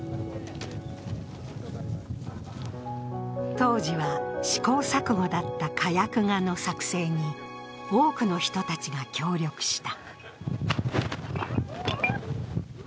当時は試行錯誤だった火薬画の作成に多くの人たちが協力した。